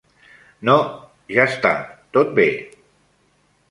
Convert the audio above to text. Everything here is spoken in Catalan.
No, ja està, tot bé.